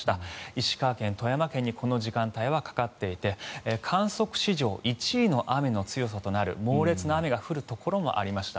石川県、富山県にこの時間帯はかかっていて観測史上１位の雨の強さとなる猛烈な雨が降るところもありました。